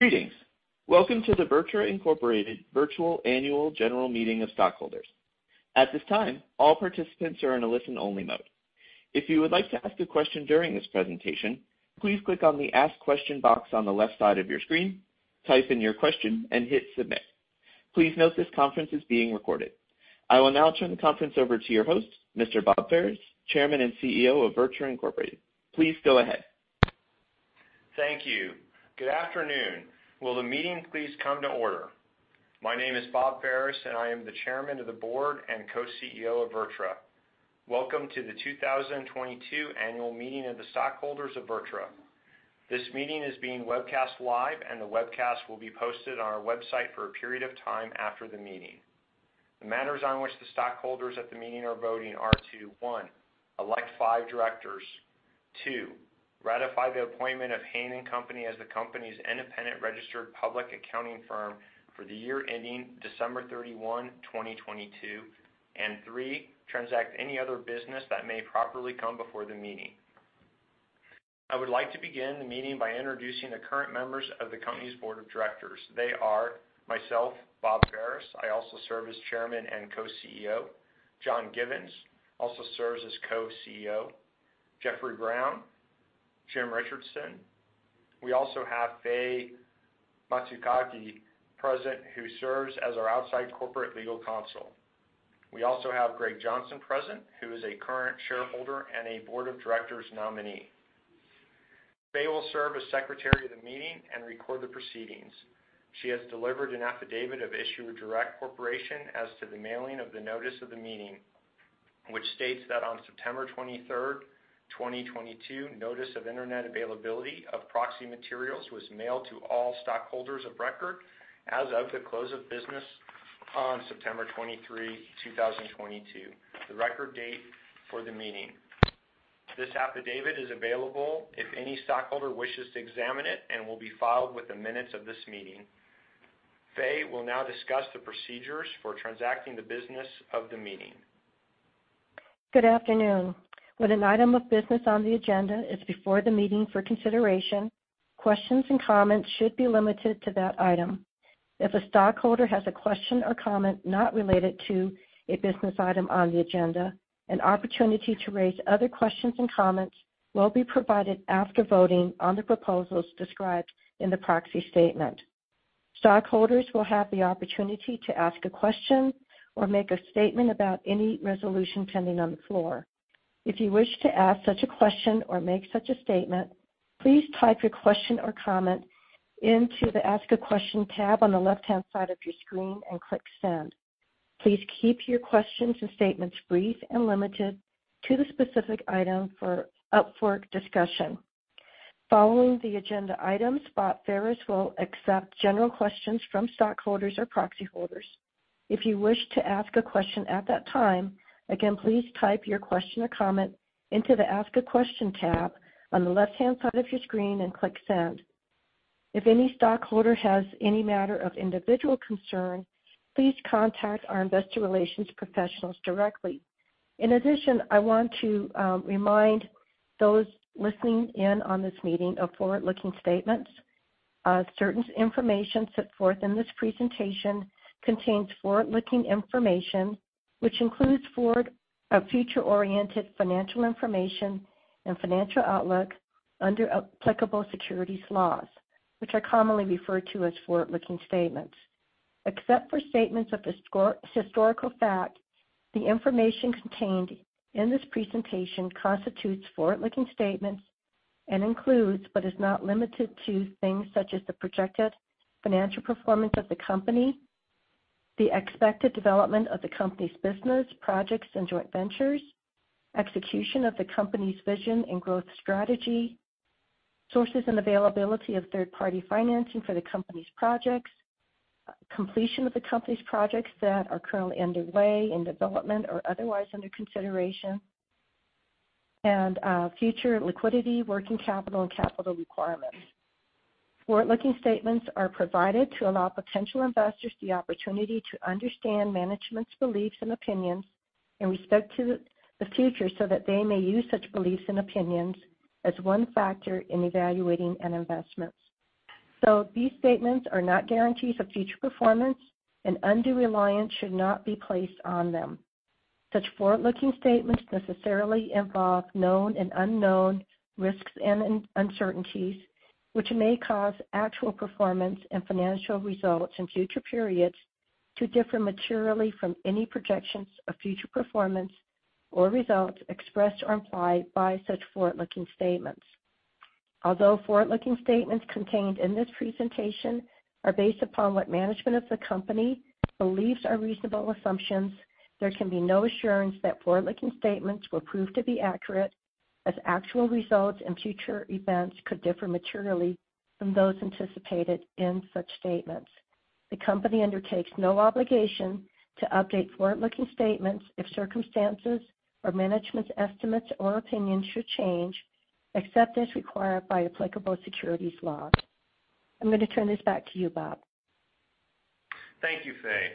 Greetings. Welcome to the VirTra, Inc. Virtual Annual General Meeting of stockholders. At this time, all participants are in a listen-only mode. If you would like to ask a question during this presentation, please click on the Ask Question box on the left side of your screen, type in your question, and hit Submit. Please note this conference is being recorded. I will now turn the conference over to your host, Mr. Bob Ferris, Chairman and CEO of VirTra, Inc. Please go ahead. Thank you. Good afternoon. Will the meeting please come to order? My name is Bob Ferris, and I am the Chairman of the Board and Co-CEO of VirTra. Welcome to the 2022 Annual Meeting of the Stockholders of VirTra. This meeting is being webcast live, and the webcast will be posted on our website for a period of time after the meeting. The matters on which the stockholders at the meeting are voting are to, one, elect five directors. Two, ratify the appointment of Haynie & Company as the company's independent registered public accounting firm for the year ending December 31, 2022. And three, transact any other business that may properly come before the meeting. I would like to begin the meeting by introducing the current members of the company's board of directors. They are myself, Bob Ferris. I also serve as Chairman and Co-CEO. John Givens also serves as Co-CEO. Jeffrey Brown, Jim Richardson. We also have Fay Matsukage present, who serves as our outside corporate legal counsel. We also have Gregg Johnson present, who is a current shareholder and a board of directors nominee. Fay Matsukage will serve as secretary of the meeting and record the proceedings. She has delivered an affidavit of Issuer Direct Corporation as to the mailing of the notice of the meeting, which states that on September 23, 2022, notice of Internet availability of proxy materials was mailed to all stockholders of record as of the close of business on September 23, 2022, the record date for the meeting. This affidavit is available if any stockholder wishes to examine it and will be filed with the minutes of this meeting. Fay Matsukage will now discuss the procedures for transacting the business of the meeting. Good afternoon. When an item of business on the agenda is before the meeting for consideration, questions and comments should be limited to that item. If a stockholder has a question or comment not related to a business item on the agenda, an opportunity to raise other questions and comments will be provided after voting on the proposals described in the proxy statement. Stockholders will have the opportunity to ask a question or make a statement about any resolution pending on the floor. If you wish to ask such a question or make such a statement, please type your question or comment into the Ask a Question tab on the left-hand side of your screen and click Send. Please keep your questions and statements brief and limited to the specific item up for discussion. Following the agenda items, Bob Ferris will accept general questions from stockholders or proxy holders. If you wish to ask a question at that time, again, please type your question or comment into the Ask a Question tab on the left-hand side of your screen and click Send. If any stockholder has any matter of individual concern, please contact our investor relations professionals directly. In addition, I want to remind those listening in on this meeting of forward-looking statements. Certain information set forth in this presentation contains forward-looking information, which includes forward or future-oriented financial information and financial outlook under applicable securities laws, which are commonly referred to as forward-looking statements. Except for statements of historical fact, the information contained in this presentation constitutes forward-looking statements and includes, but is not limited to, things such as the projected financial performance of the company, the expected development of the company's business, projects and joint ventures, execution of the company's vision and growth strategy, sources and availability of third-party financing for the company's projects, completion of the company's projects that are currently underway in development or otherwise under consideration, and future liquidity, working capital, and capital requirements. Forward-looking statements are provided to allow potential investors the opportunity to understand management's beliefs and opinions in respect to the future so that they may use such beliefs and opinions as one factor in evaluating an investment. These statements are not guarantees of future performance, and undue reliance should not be placed on them. Such forward-looking statements necessarily involve known and unknown risks and uncertainties, which may cause actual performance and financial results in future periods to differ materially from any projections of future performance or results expressed or implied by such forward-looking statements. Although forward-looking statements contained in this presentation are based upon what management of the company believes are reasonable assumptions, there can be no assurance that forward-looking statements will prove to be accurate, as actual results and future events could differ materially from those anticipated in such statements. The company undertakes no obligation to update forward-looking statements if circumstances or management's estimates or opinions should change, except as required by applicable securities laws. I'm gonna turn this back to you, Bob. Thank you, Fay.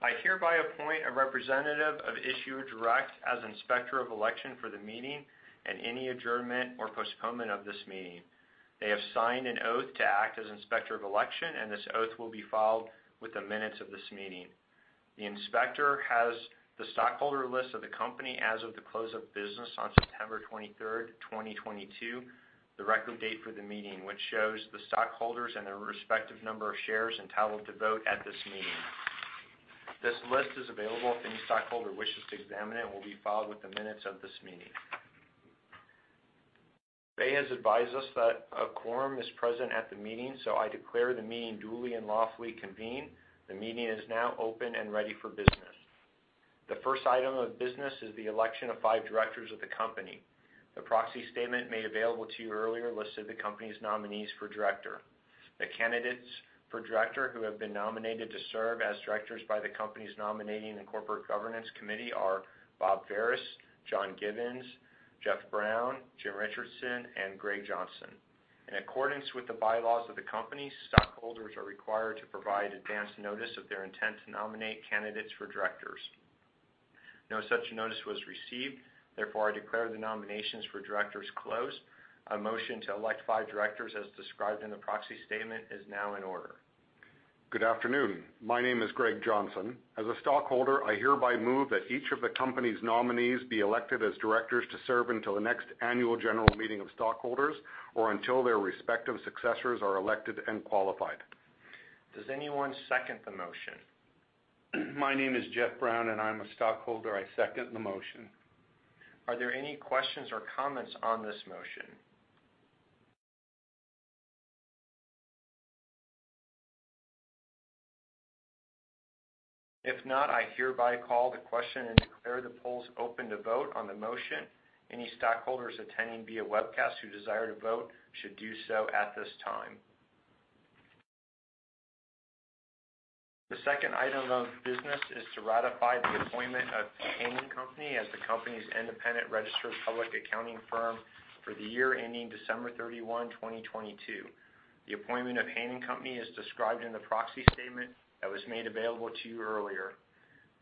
I hereby appoint a representative of Issuer Direct as Inspector of Election for the meeting and any adjournment or postponement of this meeting. They have signed an oath to act as Inspector of Election, and this oath will be filed with the minutes of this meeting. The inspector has the stockholder list of the company as of the close of business on September 23rd, 2022, the record date for the meeting, which shows the stockholders and their respective number of shares entitled to vote at this meeting. This list is available if any stockholder wishes to examine. It will be filed with the minutes of this meeting. Fay has advised us that a quorum is present at the meeting, so I declare the meeting duly and lawfully convened. The meeting is now open and ready for business. The first item of business is the election of five directors of the company. The proxy statement made available to you earlier listed the company's nominees for director. The candidates for director who have been nominated to serve as directors by the company's Nominating and Corporate Governance Committee are Bob Ferris, John Givens, Jeff Brown, Jim Richardson, and Gregg Johnson. In accordance with the bylaws of the company, stockholders are required to provide advance notice of their intent to nominate candidates for directors. No such notice was received. Therefore, I declare the nominations for directors closed. A motion to elect five directors as described in the proxy statement is now in order. Good afternoon. My name is Gregg Johnson. As a stockholder, I hereby move that each of the company's nominees be elected as directors to serve until the next annual general meeting of stockholders or until their respective successors are elected and qualified. Does anyone second the motion? My name is Jeffrey Brown, and I'm a stockholder. I second the motion. Are there any questions or comments on this motion? If not, I hereby call the question and declare the polls open to vote on the motion. Any stockholders attending via webcast who desire to vote should do so at this time. The second item of business is to ratify the appointment of Haynie & Company as the company's independent registered public accounting firm for the year ending December 31, 2022. The appointment of Haynie & Company is described in the proxy statement that was made available to you earlier.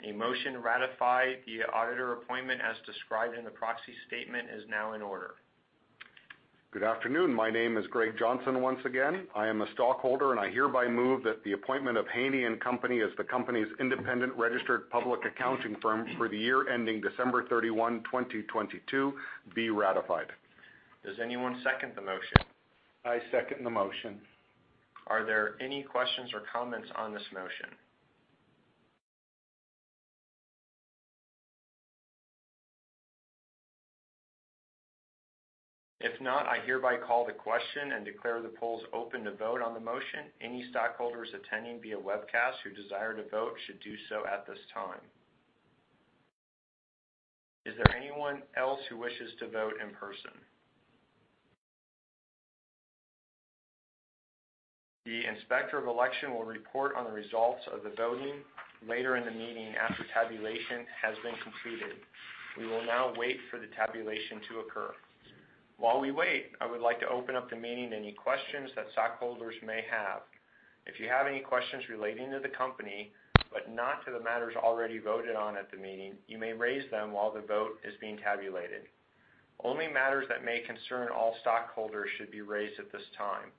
A motion to ratify the auditor appointment as described in the proxy statement is now in order. Good afternoon. My name is Gregg Johnson once again. I am a stockholder, and I hereby move that the appointment of Haynie & Company as the company's independent registered public accounting firm for the year ending December 31, 2022 be ratified. Does anyone second the motion? I second the motion. Are there any questions or comments on this motion? If not, I hereby call the question and declare the polls open to vote on the motion. Any stockholders attending via webcast who desire to vote should do so at this time. Is there anyone else who wishes to vote in person? The Inspector of Election will report on the results of the voting later in the meeting after tabulation has been completed. We will now wait for the tabulation to occur. While we wait, I would like to open up the meeting to any questions that stockholders may have. If you have any questions relating to the company but not to the matters already voted on at the meeting, you may raise them while the vote is being tabulated. Only matters that may concern all stockholders should be raised at this time.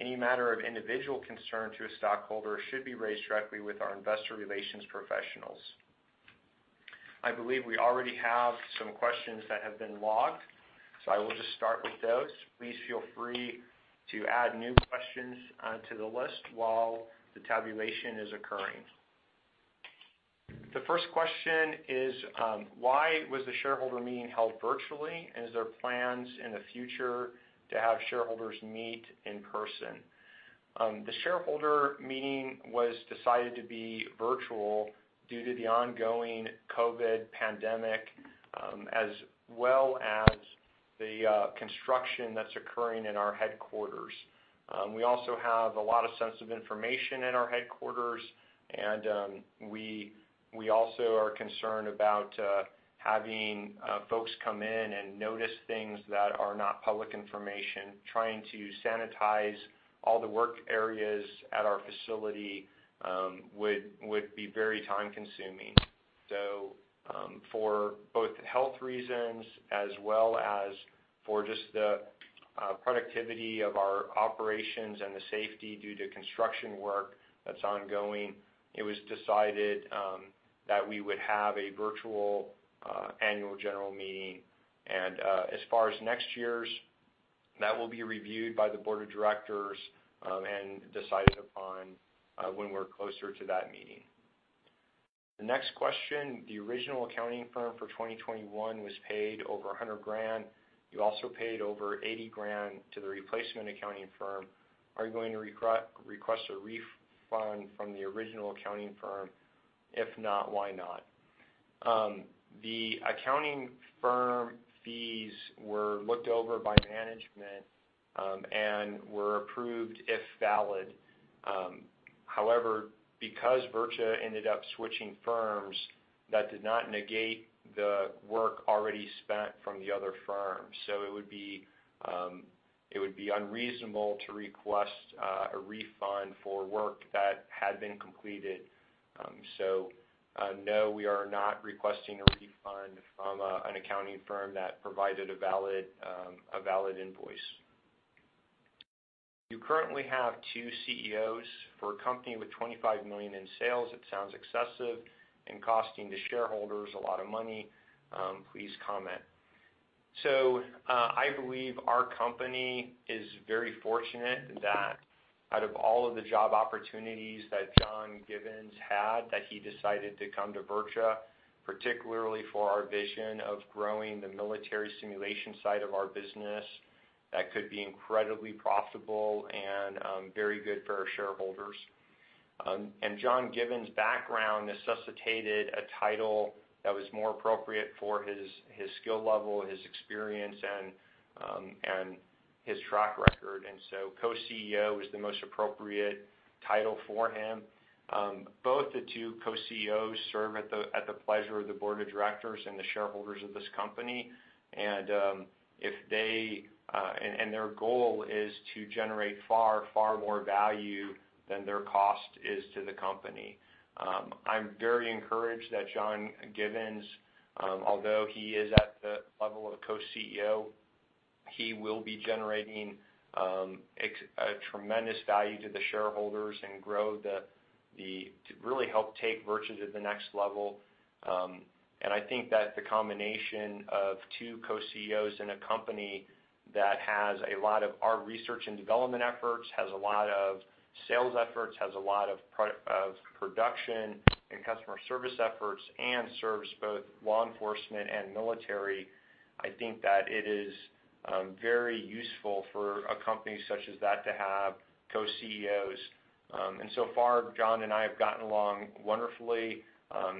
Any matter of individual concern to a stockholder should be raised directly with our investor relations professionals. I believe we already have some questions that have been logged, so I will just start with those. Please feel free to add new questions to the list while the tabulation is occurring. The first question is: Why was the shareholder meeting held virtually? And is there plans in the future to have shareholders meet in person? The shareholder meeting was decided to be virtual due to the ongoing COVID pandemic, as well as the construction that's occurring in our headquarters. We also have a lot of sensitive information in our headquarters, and we also are concerned about having folks come in and notice things that are not public information. Trying to sanitize all the work areas at our facility, would be very time-consuming. For both health reasons as well as for just the productivity of our operations and the safety due to construction work that's ongoing, it was decided that we would have a virtual annual general meeting. As far as next year's, that will be reviewed by the board of directors and decided upon when we're closer to that meeting. The next question: The original accounting firm for 2021 was paid over $100,000. You also paid over $80,000 to the replacement accounting firm. Are you going to request a refund from the original accounting firm? If not, why not? The accounting firm fees were looked over by management and were approved if valid. However, because VirTra ended up switching firms, that did not negate the work already spent from the other firm. It would be unreasonable to request a refund for work that had been completed. No, we are not requesting a refund from an accounting firm that provided a valid invoice. You currently have two CEOs. For a company with $25 million in sales, it sounds excessive and costing the shareholders a lot of money. Please comment. I believe our company is very fortunate that out of all of the job opportunities that John Givens had, that he decided to come to VirTra, particularly for our vision of growing the military simulation side of our business that could be incredibly profitable and very good for our shareholders. John Givens' background necessitated a title that was more appropriate for his skill level, his experience, and his track record. Co-CEO is the most appropriate title for him. Both the two Co-CEOs serve at the pleasure of the board of directors and the shareholders of this company. Their goal is to generate far more value than their cost is to the company. I'm very encouraged that John Givens, although he is at the level of Co-CEO, he will be generating a tremendous value to the shareholders to really help take VirTra to the next level. I think that the combination of two Co-CEOs in a company that has a lot of our research and development efforts, has a lot of sales efforts, has a lot of production and customer service efforts, and serves both law enforcement and military. I think that it is very useful for a company such as that to have Co-CEOs. So far, John and I have gotten along wonderfully. I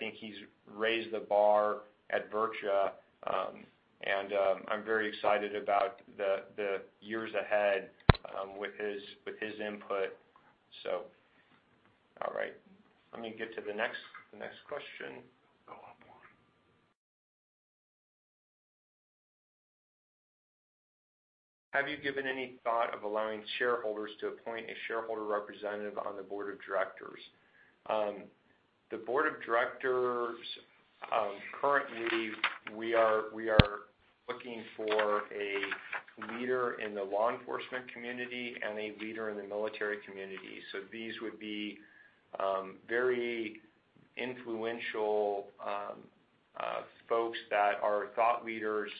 think he's raised the bar at VirTra, and I'm very excited about the years ahead with his input. All right. Let me get to the next question. Go up one. Have you given any thought of allowing shareholders to appoint a shareholder representative on the board of directors? The board of directors currently we are looking for a leader in the law enforcement community and a leader in the military community. These would be very influential folks that are thought leaders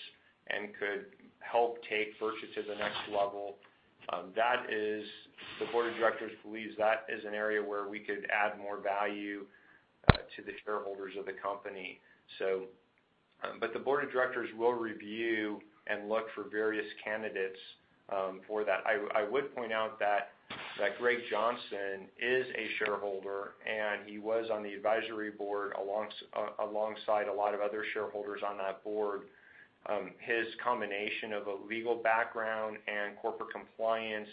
and could help take VirTra to the next level. That is. The board of directors believes that is an area where we could add more value to the shareholders of the company. The board of directors will review and look for various candidates for that. I would point out that Gregg Johnson is a shareholder, and he was on the advisory board alongside a lot of other shareholders on that board. His combination of a legal background and corporate compliance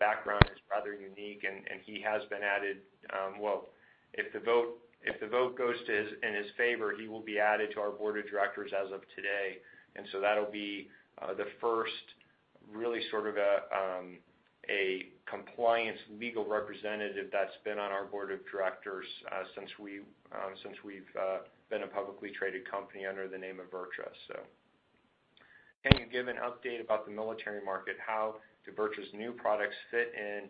background is rather unique, and he has been added. If the vote goes in his favor, he will be added to our board of directors as of today. That'll be the first really sort of a compliance legal representative that's been on our board of directors since we've been a publicly traded company under the name of VirTra. Can you give an update about the military market? How do VirTra's new products fit in,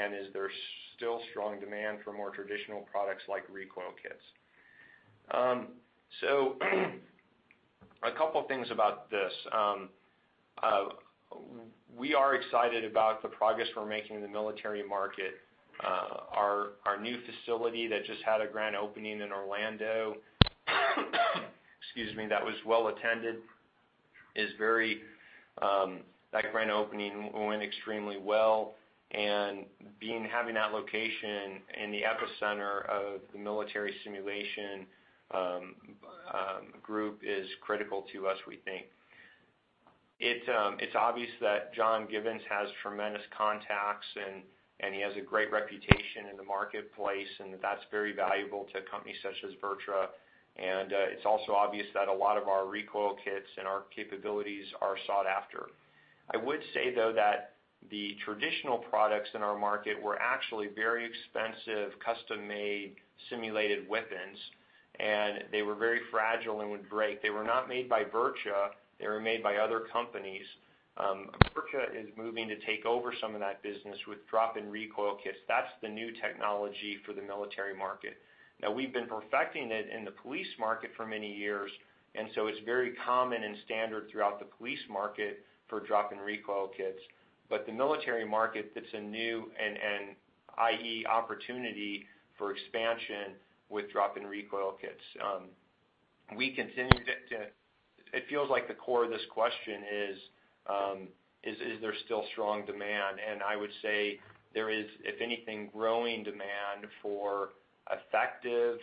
and is there still strong demand for more traditional products like recoil kits? A couple things about this. We are excited about the progress we're making in the military market. Our new facility that just had a grand opening in Orlando, that was well attended, is very. That grand opening went extremely well. Having that location in the epicenter of the military simulation group is critical to us, we think. It's obvious that John Givens has tremendous contacts and he has a great reputation in the marketplace, and that's very valuable to companies such as VirTra. It's also obvious that a lot of our recoil kits and our capabilities are sought after. I would say, though, that the traditional products in our market were actually very expensive, custom-made simulated weapons, and they were very fragile and would break. They were not made by VirTra. They were made by other companies. VirTra is moving to take over some of that business with drop-in recoil kits. That's the new technology for the military market. Now, we've been perfecting it in the police market for many years, and so it's very common and standard throughout the police market for drop-in recoil kits. The military market, that's a new and emerging opportunity for expansion with drop-in recoil kits. It feels like the core of this question is there still strong demand? I would say there is, if anything, growing demand for effective,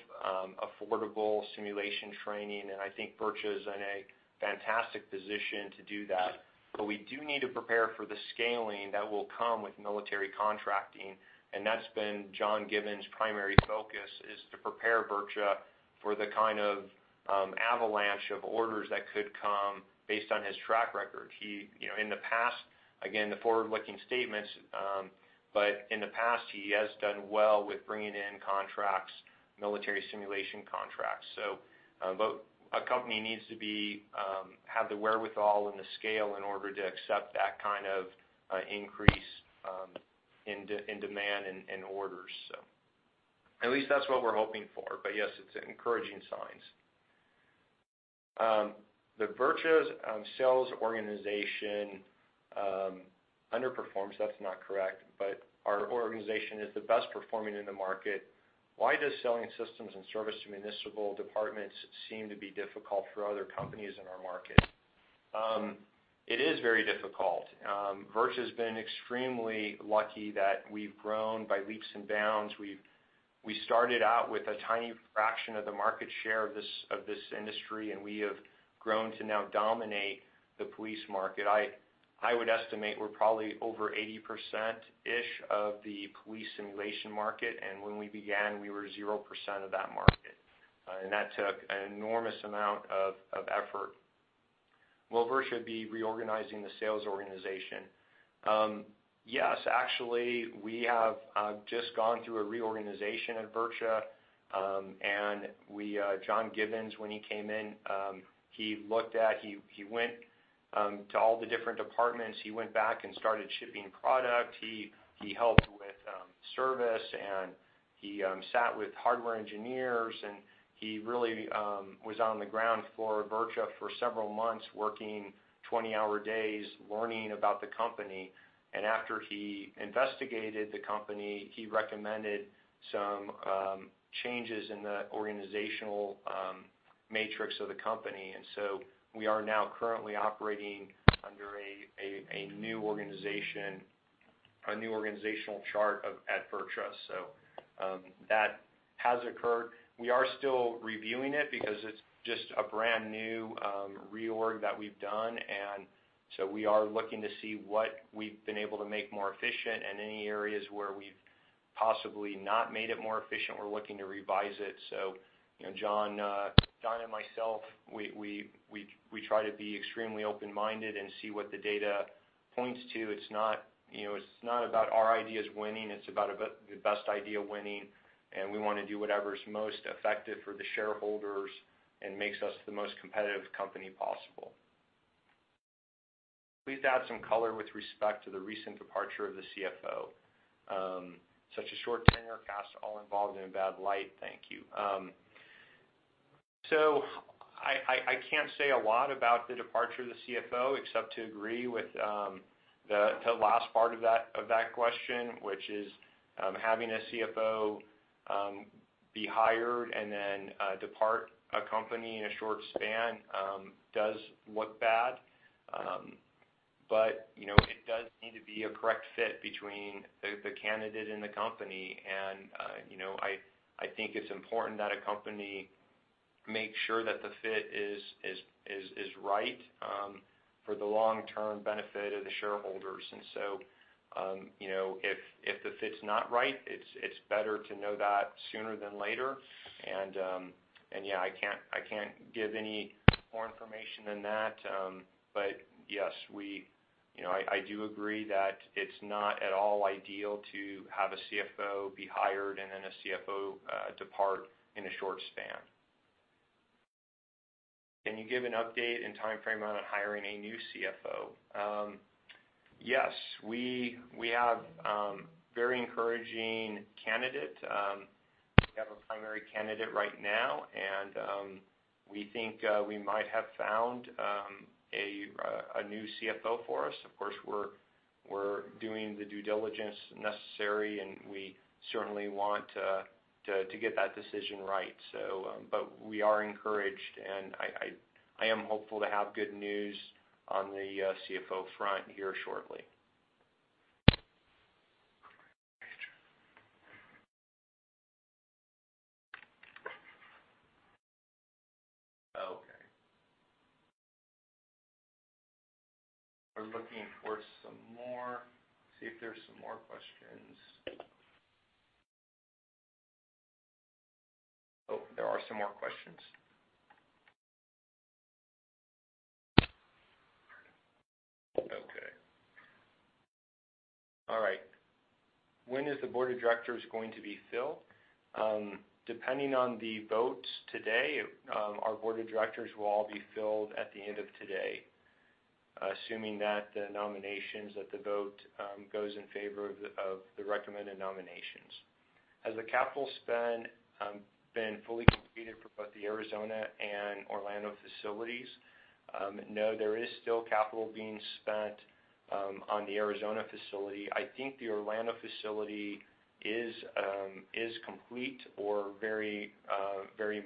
affordable simulation training, and I think VirTra's in a fantastic position to do that. We do need to prepare for the scaling that will come with military contracting, and that's been John Givens' primary focus, is to prepare VirTra for the kind of avalanche of orders that could come based on his track record. You know, in the past, again, the forward-looking statements, but in the past, he has done well with bringing in contracts, military simulation contracts. A company needs to have the wherewithal and the scale in order to accept that kind of increase in demand and orders. At least that's what we're hoping for. Yes, it's encouraging signs. VirTra's sales organization underperforms, that's not correct, but our organization is the best performing in the market. Why does selling systems and services to municipal departments seem to be difficult for other companies in our market? It is very difficult. VirTra's been extremely lucky that we've grown by leaps and bounds. We started out with a tiny fraction of the market share of this industry, and we have grown to now dominate the police market. I would estimate we're probably over 80%-ish of the police simulation market, and when we began, we were 0% of that market. That took an enormous amount of effort. Will VirTra be reorganizing the sales organization? Yes, actually, we have just gone through a reorganization at VirTra, and John Givens, when he came in, he went to all the different departments. He went back and started shipping product. He helped with service, and he sat with hardware engineers, and he really was on the ground floor of VirTra for several months, working 20-hour days, learning about the company. After he investigated the company, he recommended some changes in the organizational matrix of the company. We are now currently operating under a new organization, a new organizational chart at VirTra. That has occurred. We are still reviewing it because it's just a brand-new reorg that we've done. We are looking to see what we've been able to make more efficient and any areas where we've possibly not made it more efficient. We're looking to revise it. You know, John and myself, we try to be extremely open-minded and see what the data points to. It's not, you know, it's not about our ideas winning. It's about the best idea winning, and we wanna do whatever's most effective for the shareholders and makes us the most competitive company possible. Please add some color with respect to the recent departure of the CFO. Such a short tenure cast all involved in a bad light. Thank you. I can't say a lot about the departure of the CFO, except to agree with the last part of that question, which is, having a CFO be hired and then depart a company in a short span, does look bad. You know, it does need to be a correct fit between the candidate and the company. You know, I think it's important that a company makes sure that the fit is right for the long-term benefit of the shareholders. You know, if the fit's not right, it's better to know that sooner than later. I can't give any more information than that. Yes, you know, I do agree that it's not at all ideal to have a CFO be hired and then a CFO depart in a short span. Can you give an update and timeframe on hiring a new CFO? Yes. We have a very encouraging candidate. We have a primary candidate right now, and we think we might have found a new CFO for us. Of course, we're doing the due diligence necessary, and we certainly want to get that decision right. We are encouraged, and I am hopeful to have good news on the CFO front here shortly. Okay. We're looking for some more. See if there's some more questions. Oh, there are some more questions. Okay. All right. When is the board of directors going to be filled? Depending on the votes today, our board of directors will all be filled at the end of today, assuming that the nominations at the vote goes in favor of the recommended nominations. Has the capital spend been fully completed for both the Arizona and Orlando facilities? No, there is still capital being spent on the Arizona facility. I think the Orlando facility is complete or very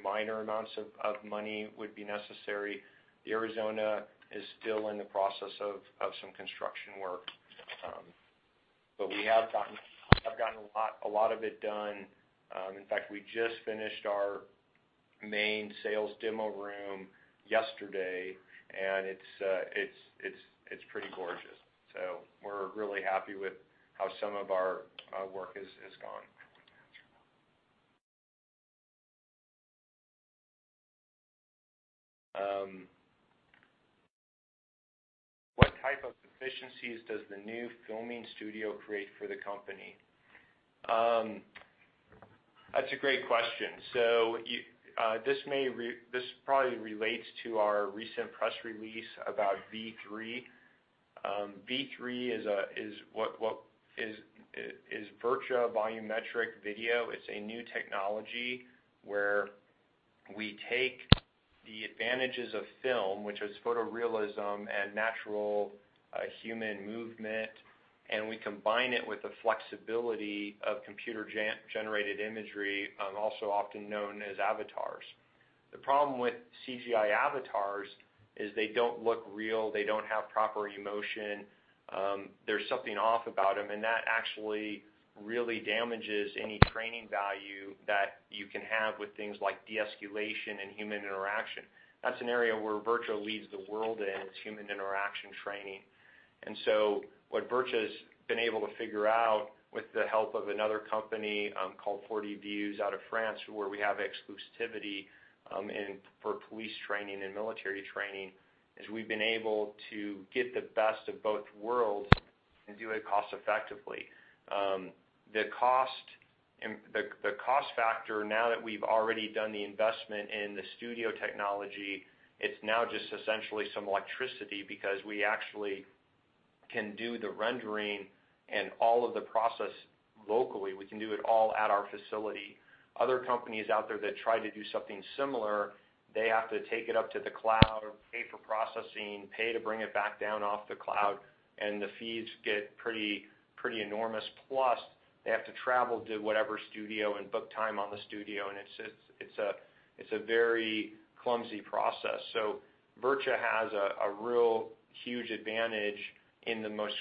minor amounts of money would be necessary. The Arizona is still in the process of some construction work. We have gotten a lot of it done. In fact, we just finished our main sales demo room yesterday, and it's pretty gorgeous. We're really happy with how some of our work has gone. What type of efficiencies does the new filming studio create for the company? That's a great question. This probably relates to our recent press release about V3. V3 is VirTra Volumetric Video. It's a new technology where we take the advantages of film, which is photorealism and natural human movement, and we combine it with the flexibility of computer-generated imagery, also often known as avatars. The problem with CGI avatars is they don't look real, they don't have proper emotion, there's something off about them, and that actually really damages any training value that you can have with things like de-escalation and human interaction. That's an area where VirTra leads the world in. It's human interaction training. What VirTra's been able to figure out with the help of another company called 4Dviews out of France, where we have exclusivity for police training and military training, is we've been able to get the best of both worlds and do it cost effectively. The cost factor now that we've already done the investment in the studio technology, it's now just essentially some electricity because we actually can do the rendering and all of the process locally. We can do it all at our facility. Other companies out there that try to do something similar, they have to take it up to the cloud, pay for processing, pay to bring it back down off the cloud, and the fees get pretty enormous. They have to travel to whatever studio and book time on the studio, and it's a very clumsy process. VirTra has a real huge advantage.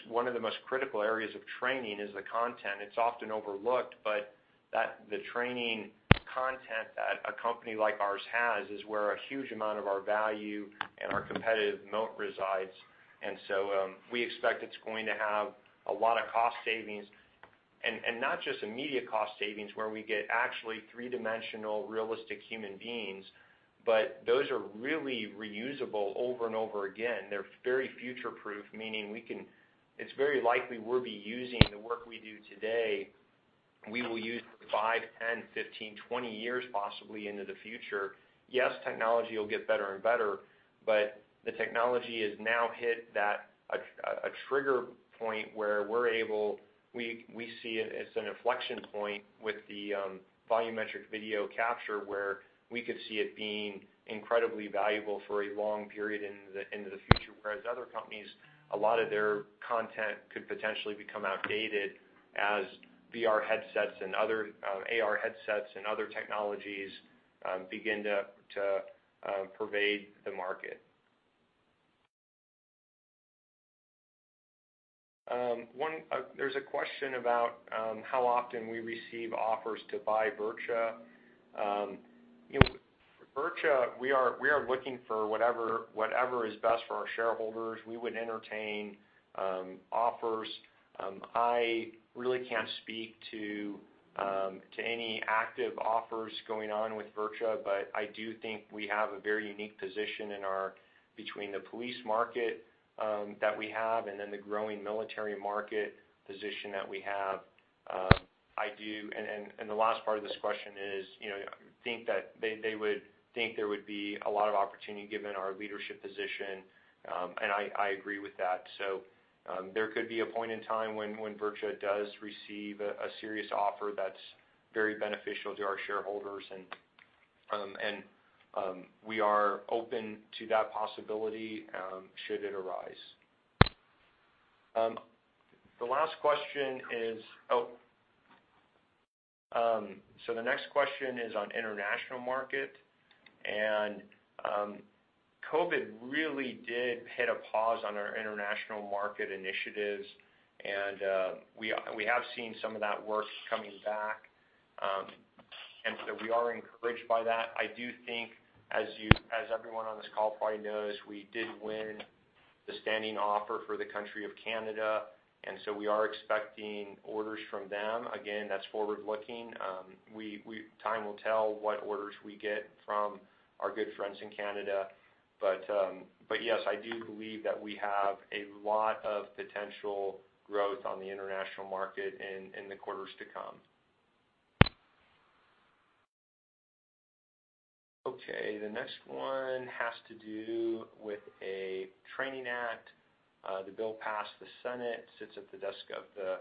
One of the most critical areas of training is the content. It's often overlooked, but the training content that a company like ours has is where a huge amount of our value and our competitive moat resides. We expect it's going to have a lot of cost savings and not just immediate cost savings where we get actually three-dimensional realistic human beings, but those are really reusable over and over again. They're very future-proof. It's very likely we'll be using the work we do today for five, 10, 15, 20 years possibly into the future. Yes, technology will get better and better, but the technology has now hit that trigger point where we see it as an inflection point with the volumetric video capture, where we could see it being incredibly valuable for a long period into the future. Whereas other companies, a lot of their content could potentially become outdated as VR headsets and other AR headsets and other technologies begin to pervade the market. There's a question about how often we receive offers to buy VirTra. You know, VirTra, we are looking for whatever is best for our shareholders. We would entertain offers. I really can't speak to any active offers going on with VirTra, but I do think we have a very unique position between the police market that we have and then the growing military market position that we have. I do. The last part of this question is, you know, think that they would think there would be a lot of opportunity given our leadership position, and I agree with that. There could be a point in time when VirTra does receive a serious offer that's very beneficial to our shareholders and we are open to that possibility, should it arise. The last question is. Oh, the next question is on international market, and, COVID really did hit a pause on our international market initiatives, and, we have seen some of that work coming back. We are encouraged by that. I do think as you, as everyone on this call probably knows, we did win the standing offer for the country of Canada, and we are expecting orders from them. Again, that's forward looking. Time will tell what orders we get from our good friends in Canada. Yes, I do believe that we have a lot of potential growth on the international market in the quarters to come. Okay. The next one has to do with a training act. The bill passed the Senate, sits at the desk of the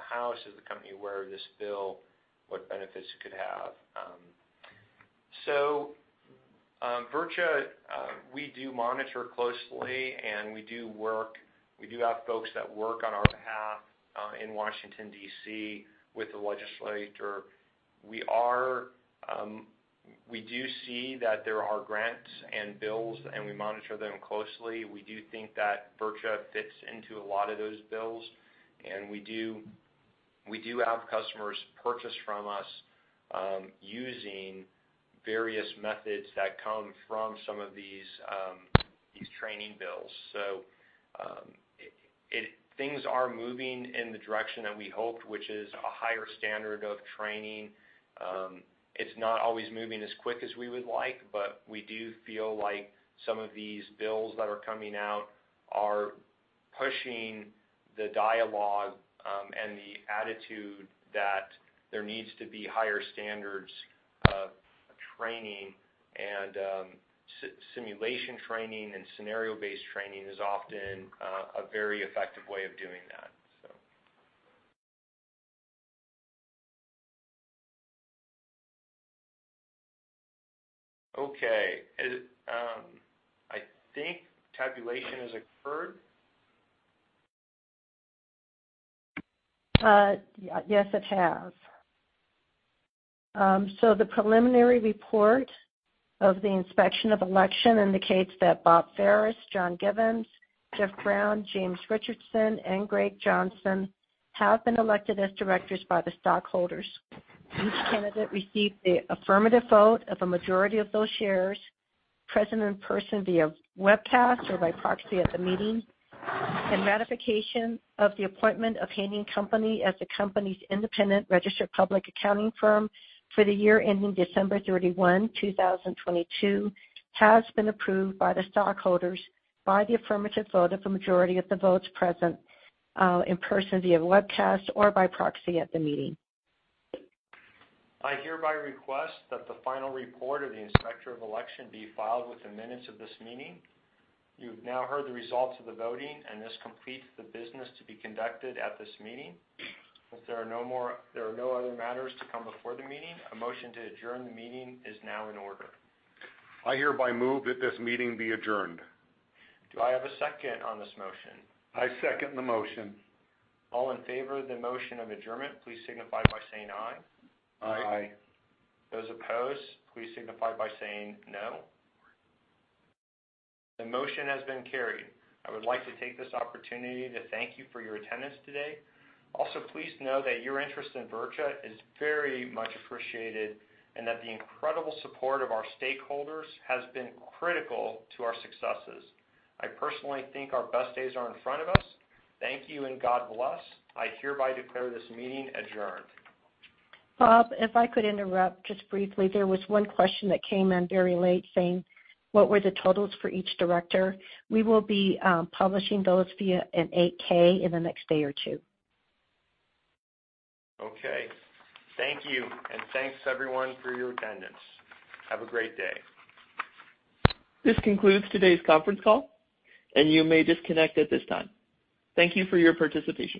House. Is the company aware of this bill? What benefits it could have? We monitor closely, and we do work. We have folks that work on our behalf in Washington, D.C. with the legislature. We do see that there are grants and bills, and we monitor them closely. We do think that VirTra fits into a lot of those bills. We have customers purchase from us using various methods that come from some of these training bills. Things are moving in the direction that we hoped, which is a higher standard of training. It's not always moving as quick as we would like, but we do feel like some of these bills that are coming out are pushing the dialogue, and the attitude that there needs to be higher standards of training and simulation training and scenario-based training is often a very effective way of doing that. Okay. I think tabulation has occurred. Yes, it has. The preliminary report of the inspection of election indicates that Bob Ferris, John Givens, Jeff Brown, James Richardson, and Gregg Johnson have been elected as directors by the stockholders. Each candidate received the affirmative vote of a majority of those shares present in person via webcast or by proxy at the meeting. Ratification of the appointment of Haynie & Company as the company's independent registered public accounting firm for the year ending December 31, 2022, has been approved by the stockholders by the affirmative vote of the majority of the votes present in person via webcast or by proxy at the meeting. I hereby request that the final report of the inspector of election be filed with the minutes of this meeting. You've now heard the results of the voting, and this completes the business to be conducted at this meeting. If there are no other matters to come before the meeting, a motion to adjourn the meeting is now in order. I hereby move that this meeting be adjourned. Do I have a second on this motion? I second the motion. All in favor of the motion of adjournment, please signify by saying aye. Aye. Aye. Those opposed, please signify by saying no. The motion has been carried. I would like to take this opportunity to thank you for your attendance today. Also, please know that your interest in VirTra is very much appreciated, and that the incredible support of our stakeholders has been critical to our successes. I personally think our best days are in front of us. Thank you and God bless. I hereby declare this meeting adjourned. Bob, if I could interrupt just briefly. There was one question that came in very late saying, "What were the totals for each director?" We will be publishing those via an 8-K in the next day or two. Okay. Thank you, and thanks everyone for your attendance. Have a great day. This concludes today's conference call, and you may disconnect at this time. Thank you for your participation.